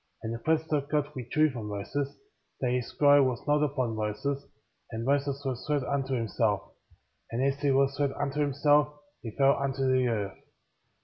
9. And the presence of God^ withdrew from Moses, that his glory was not upon Moses ;^ and Moses was left unto himself. And as he was left unto himself, he fell unto the earth.